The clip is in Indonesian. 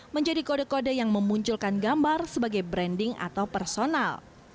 menjadi kode kode yang memunculkan gambar sebagai branding atau personal